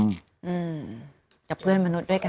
กับเพื่อนมนุษย์ด้วยกัน